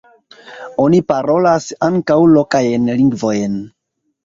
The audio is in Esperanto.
Oni parolas ankaŭ lokajn lingvojn.